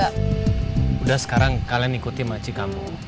sudah sekarang kalian ikuti makci kamu